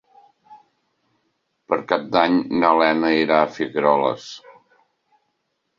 Per Cap d'Any na Lena irà a Figueroles.